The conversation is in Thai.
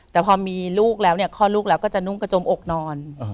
แต่พอมีลูกแล้วเนี่ยคลอดลูกแล้วก็จะนุ่งกระจมอกนอน